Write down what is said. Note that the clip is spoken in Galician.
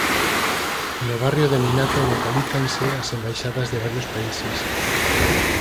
No barrio de Minato localízanse as embaixadas de varios países.